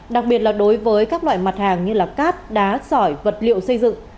đặc biệt là đối với các loại mặt hàng như cát đá sỏi vật liệu xây dựng